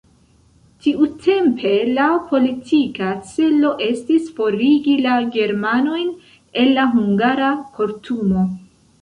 Tiutempe la politika celo estis forigi la germanojn el la hungara kortumo.